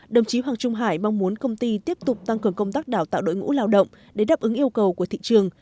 đồng chí hoàng trung hải mong muốn công ty tiếp tục tăng cường công tác đào tạo đội ngũ lao động để đáp ứng yêu cầu của thị trường